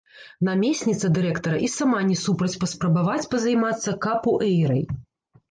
Намесніца дырэктара і сама не супраць паспрабаваць пазаймацца капуэйрай.